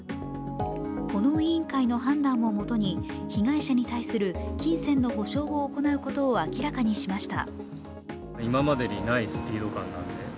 この委員会の判断をもとに、被害者に対する金銭の補償を行うことを明らかにしました。